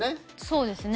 そうですね。